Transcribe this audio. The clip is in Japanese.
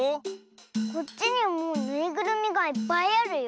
こっちにはぬいぐるみがいっぱいあるよ。